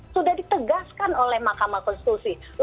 sudah ditegaskan oleh mahkamah konstitusi